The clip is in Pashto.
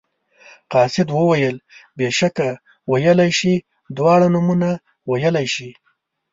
قاصد وویل بېشکه ویلی شي دواړه نومه ویلی شي.